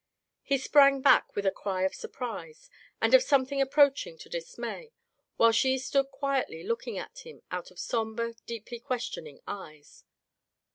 He sprang back with a cry of surprise, and of some thing approaching to dismay, while she stood quietly looking at him out of somber, deeply questioning eyes.